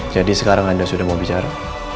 jadi sekarang anda sudah mau bicara